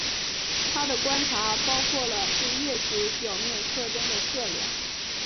他的观察包括了对月球表面特征的测量。